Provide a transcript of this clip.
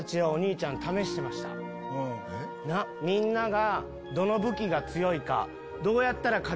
みんなが。